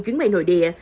chuyến bay nội địa